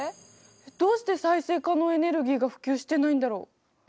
どうして再生可能エネルギーが普及してないんだろう？